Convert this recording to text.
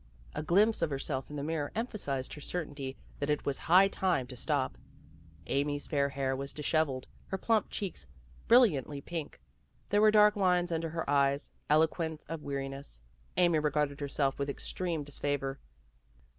A glimpse of herself in the mirror emphasized her certainty that it was high time to stop. Amy's fair hair was disheveled, her plump cheeks brilliantly pink. There were dark lines under her eyes, eloquent of weariness. Amy regarded herself with extreme disfavor.